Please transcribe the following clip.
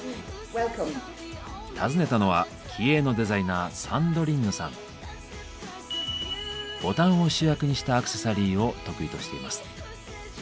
訪ねたのは気鋭のデザイナーボタンを主役にしたアクセサリーを得意としています。